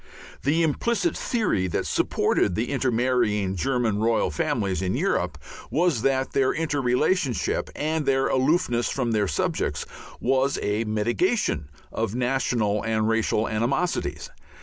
The implicit theory that supported the intermarrying German royal families in Europe was that their inter relationship and their aloofness from their subjects was a mitigation of national and racial animosities.